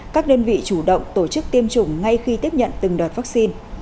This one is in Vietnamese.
các đơn vị chủ động tổ chức tiêm chủng ngay khi tiếp nhận từng đợt vaccine